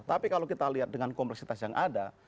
tapi kalau kita lihat dengan kompleksitas yang ada